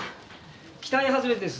期待はずれです。